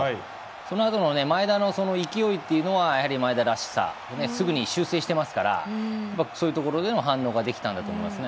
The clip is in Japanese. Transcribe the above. そのあとの前田の勢いというのは前田らしさすぐに修正してますからそういうところでの反応ができたんだと思いますね。